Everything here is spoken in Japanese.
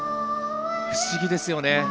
不思議ですよね。